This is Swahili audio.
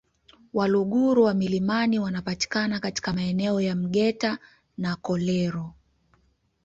Waluguru wa milimani wanapatikana katika maeneo ya Mgeta na Kolero